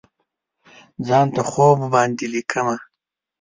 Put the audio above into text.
ځان ته خوب باندې لیکمه